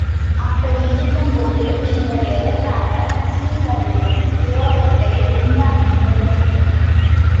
அப்படியிருக்கும் போது, நீங்கள் எதற்காக முஸ்லிம்களுடன் விரோதத்தை உண்டாக்கிக் கொள்ள வேண்டும்?